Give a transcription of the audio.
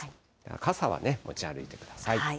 傘はね、持ち歩いてください。